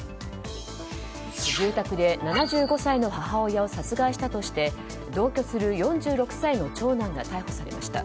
住宅で７５歳の母親を殺害したとして同居する４６歳の長男が逮捕されました。